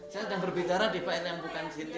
saya sedang berbicara di file yang bukan di sini